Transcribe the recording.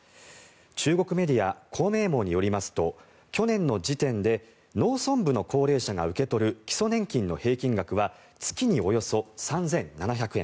中国メディア光明網によりますと去年の時点で農村部の高齢者が受け取る基礎年金の平均額は月におよそ３７００円。